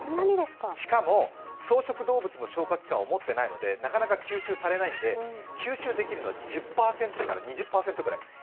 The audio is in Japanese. しかも草食動物の消化器官を持っていないのでなかなか吸収されないので、吸収できるのは１０％から２０％くらい。